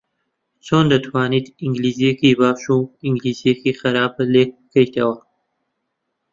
چۆن دەتوانیت ئینگلیزییەکی باش و ئینگلیزییەکی خراپ لێک بکەیتەوە؟